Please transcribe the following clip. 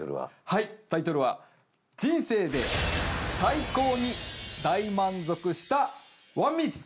はいタイトルは「人生で最高に大満足した１ミニッツ」